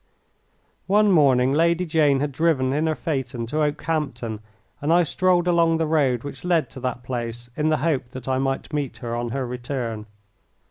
One morning Lady Jane had driven in her phaeton to Okehampton, and I strolled along the road which led to that place in the hope that I might meet her on her return.